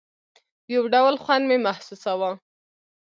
يو ډول خوند مې محسوساوه.